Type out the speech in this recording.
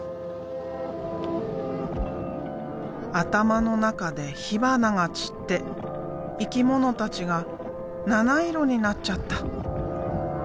頭の中で火花が散って生き物たちが７色になっちゃった。